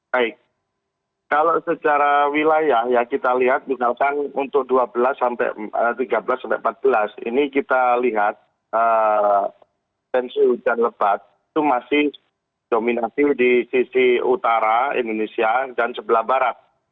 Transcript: baik kalau secara wilayah ya kita lihat misalkan untuk dua belas tiga belas sampai empat belas ini kita lihat tensi hujan lebat itu masih dominasi di sisi utara indonesia dan sebelah barat